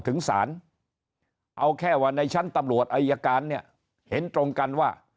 ถึงศาลเอาแค่ว่าในชั้นตำรวจอายการเนี่ยเห็นตรงกันว่า